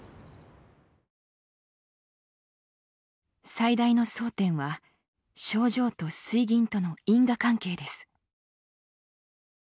最大の争点は症状と水銀との因果関係です。